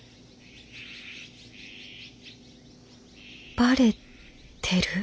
バレてる？